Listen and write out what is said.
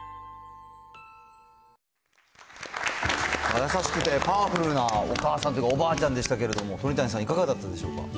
優しくてパワフルなお母さんというか、おばあちゃんでしたけど、鳥谷さん、いかがだったでしょうか。